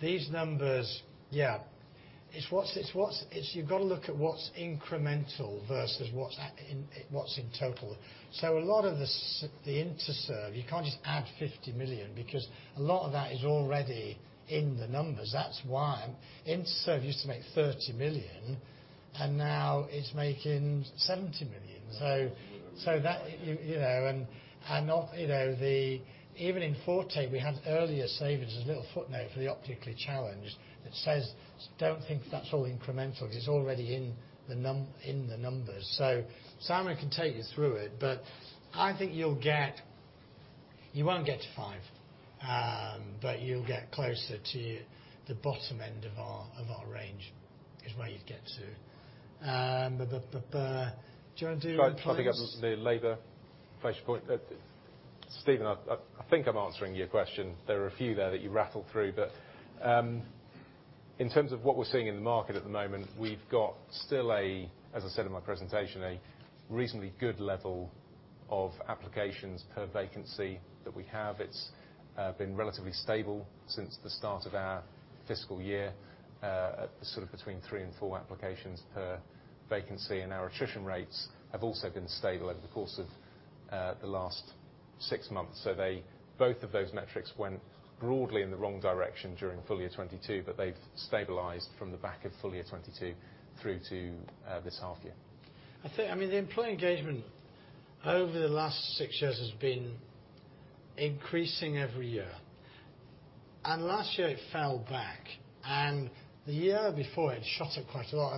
these numbers, yeah. It's you've got to look at what's incremental versus what's in total. A lot of the Interserve, you can't just add 50 million because a lot of that is already in the numbers. That's why. Interserve used to make 30 million, and now it's making 70 million. That, you know, and not, you know, even in Forte, we had earlier savings. There's a little footnote for the optically challenged that says, "Don't think that's all incremental." It's already in the numbers. Simon can take you through it, but I think you won't get to five, but you'll get closer to the bottom end of our range is where you'd get to. Do you wanna do? Try and pick up the labor pressure point. Stephen, I think I'm answering your question. There are a few there that you rattled through, but in terms of what we're seeing in the market at the moment, we've got still, as I said in my presentation, a reasonably good level of applications per vacancy that we have. It's been relatively stable since the start of our fiscal year at sort of between three and four applications per vacancy, and our attrition rates have also been stable over the course of the last six months. Both of those metrics went broadly in the wrong direction during full year 2022, but they've stabilized from the back of full year 2022 through to this half year. I think, I mean, the employee engagement over the last 6 years has been increasing every year. Last year it fell back. The year before it shot up quite a lot.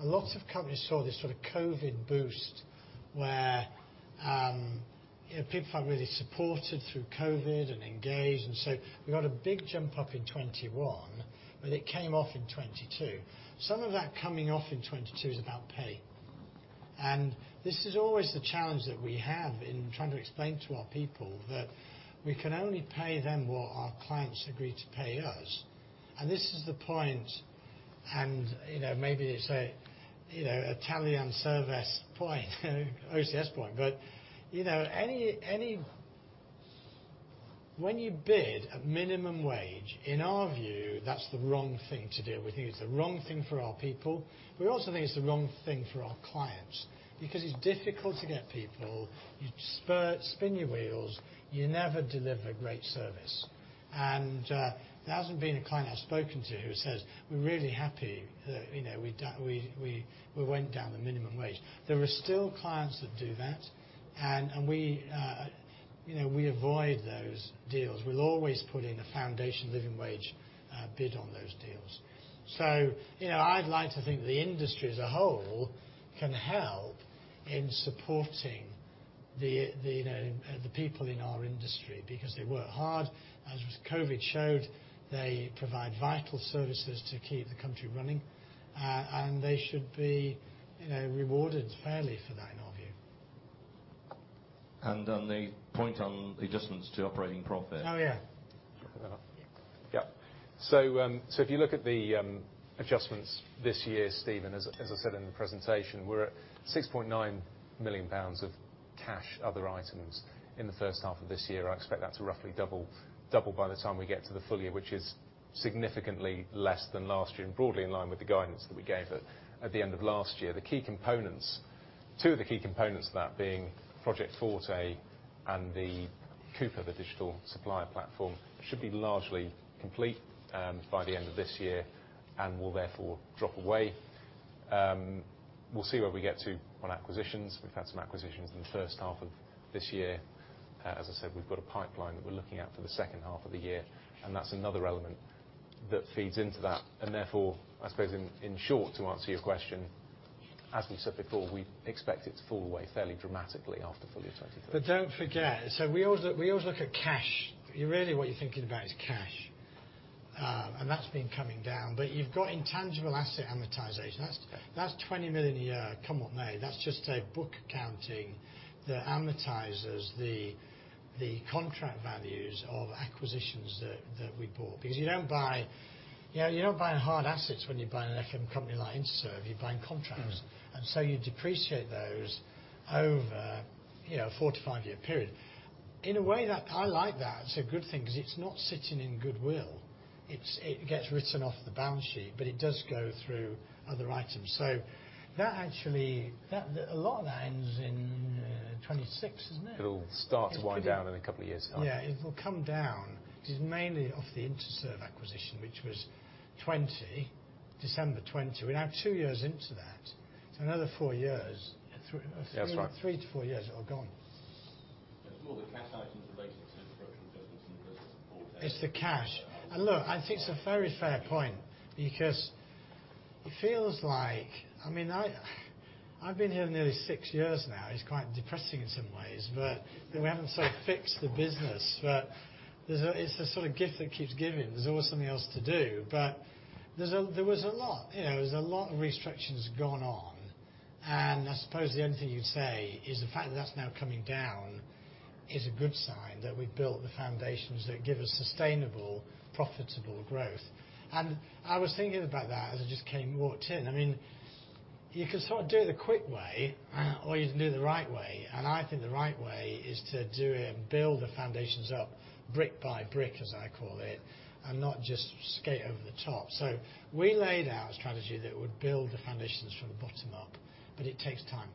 A lot of companies saw this sort of COVID boost where, you know, people felt really supported through COVID and engaged. We got a big jump up in 2021. It came off in 2022. Some of that coming off in 2022 is about pay. This is always the challenge that we have in trying to explain to our people that we can only pay them what our clients agree to pay us. This is the point. You know, maybe it's, you know, an Atalian service point, OCS point. You know, when you bid at minimum wage, in our view, that's the wrong thing to do. We think it's the wrong thing for our people. We also think it's the wrong thing for our clients because it's difficult to get people. You spin your wheels. You never deliver great service. There hasn't been a client I've spoken to who says, "We're really happy that, you know, we went down the minimum wage." There are still clients that do that, and, you know, we avoid those deals. We'll always put in a Foundation Living Wage bid on those deals. You know, I'd like to think the industry as a whole can help in supporting, you know, the people in our industry because they work hard. As COVID showed, they provide vital services to keep the country running. They should be, you know, rewarded fairly for that in our view. On the point on the adjustments to operating profit. Oh, yeah. If you look at the adjustments this year, Stephen, as I said in the presentation, we're at 6.9 million pounds of cash other items in the first half of this year. I expect that to roughly double by the time we get to the full year, which is significantly less than last year and broadly in line with the guidance that we gave at the end of last year. Two of the key components of that being Project Forte and the Coupa, the digital supplier platform, should be largely complete by the end of this year and will therefore drop away. We'll see where we get to on acquisitions. We've had some acquisitions in the first half of this year. As I said, we've got a pipeline that we're looking at for the second half of the year, and that's another element that feeds into that. Therefore, I suppose in short, to answer your question, as we said before, we expect it to fall away fairly dramatically after full year 2023. Don't forget. We always look at cash. What you're thinking about is cash. That's been coming down. You've got intangible asset amortization. That's 20 million a year, come what may. That's just a book accounting that amortizes the contract values of acquisitions that we bought. Because, you know, you don't buy hard assets when you're buying a company like Interserve, you're buying contracts. Mm-hmm. You depreciate those over, you know, a four to five years period. I like that. It's a good thing 'cause it's not sitting in goodwill. It gets written off the balance sheet, but it does go through other items. Actually, a lot of that ends in 2026, isn't it? It'll start to wind down in a couple of years' time. Yeah. It'll come down. It's mainly off the Interserve acquisition, which was 2020, December 2020. We're now two years into that. Another four years. Yeah, that's right. Three to four years, it'll have gone. It's more the cash items related to Forte. It's the cash. Look, I think it's a very fair point because it feels like, I mean, I've been here nearly six years now. It's quite depressing in some ways, but we haven't so fixed the business. It's a sort of gift that keeps giving. There's always something else to do. There was a lot, you know, of restructures going on. I suppose the only thing you'd say is the fact that that's now coming down is a good sign that we've built the foundations that give us sustainable, profitable growth. I was thinking about that as I just walked in. I mean, you can sort of do it the quick way or you can do it the right way, and I think the right way is to do it and build the foundations up brick by brick, as I call it, and not just skate over the top. We laid out a strategy that would build the foundations from the bottom up, but it takes time.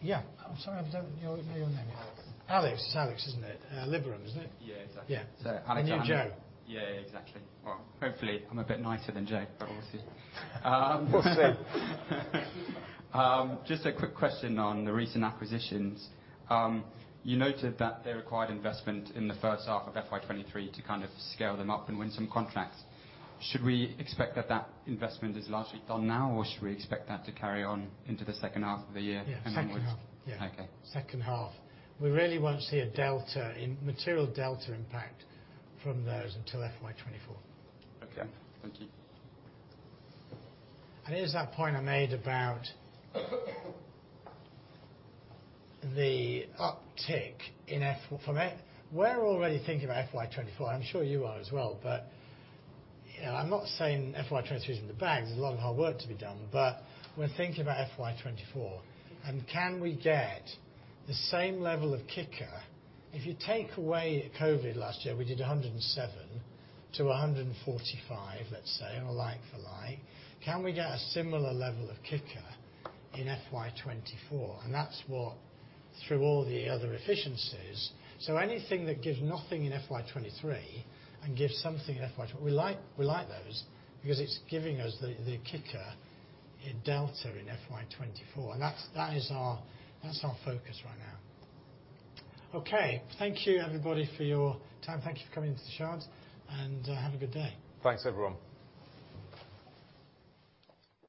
Yeah. I'm sorry, I don't know your name. Alex. Alex, isn't it? Liberum, isn't it? Yeah, exactly. Yeah. Alex. You're Joe. Yeah, exactly. Well, hopefully, I'm a bit nicer than Joe, but we'll see. We'll see. Just a quick question on the recent acquisitions. You noted that they required investment in the first half of FY 2023 to kind of scale them up and win some contracts. Should we expect that that investment is largely done now, or should we expect that to carry on into the second half of the year? Yeah, second half. Onwards? Okay. Yeah. Second half. We really won't see a material delta impact from those until FY 2024. Okay. Thank you. Here's that point I made about the uptick in. From it, we're already thinking about FY 2024. I'm sure you are as well. You know, I'm not saying FY 2024 is in the bag, there's a lot of hard work to be done. We're thinking about FY 2024 and can we get the same level of kicker. If you take away COVID last year, we did 107-145, let's say, or like-for-like. Can we get a similar level of kicker in FY 2024? That's what through all the other efficiencies. Anything that gives nothing in FY 2023 and gives something in, we like those because it's giving us the kicker in delta in FY 2024, and that's our focus right now. Okay. Thank you everybody for your time. Thank you for coming to The Shard, and have a good day. Thanks everyone.